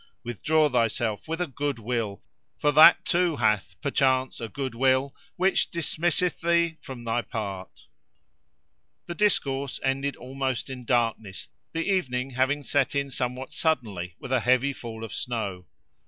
Withdraw thyself with a good will; for that too hath, perchance, a good will which dismisseth thee from thy part." The discourse ended almost in darkness, the evening having set in somewhat suddenly, with a heavy fall of snow.